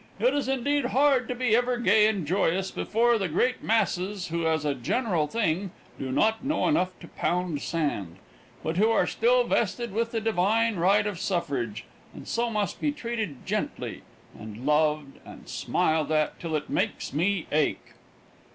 It is indeed hard to be ever gay and joyous before the great masses who as a general thing, do not know enough to pound sand, but who are still vested with the divine right of suffrage, and so must be treated gently, and loved and smiled at till it makes me ache."